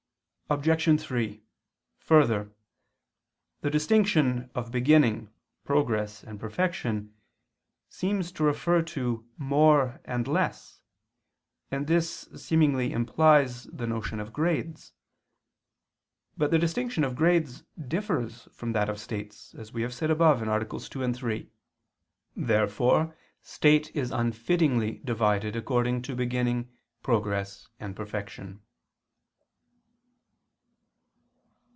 Obj. 3: Further, the distinction of beginning, progress, and perfection seems to refer to more and less, and this seemingly implies the notion of grades. But the distinction of grades differs from that of states, as we have said above (AA. 2, 3). Therefore state is unfittingly divided according to beginning, progress, and perfection.